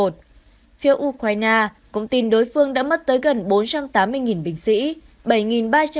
theo ukraina công tin đối phương đã mất tới gần bốn trăm tám mươi binh sĩ